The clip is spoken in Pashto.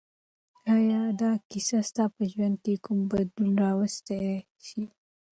آیا دا کیسه ستا په ژوند کې کوم بدلون راوستی شي؟